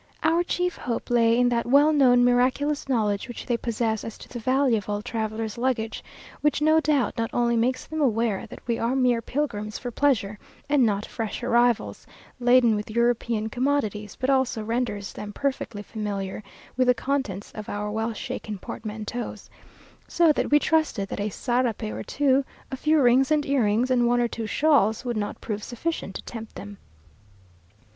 Our chief hope lay in that well known miraculous knowledge which they possess as to the value of all travellers' luggage, which no doubt not only makes them aware that we are mere pilgrims for pleasure, and not fresh arrivals, laden with European commodities, but also renders them perfectly familiar with the contents of our well shaken portmanteaus; so that we trusted that a sarape or two, a few rings and earrings, and one or two shawls, would not prove sufficient to tempt them.